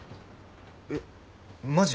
えっマジ？